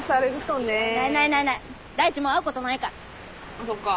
あっそっか。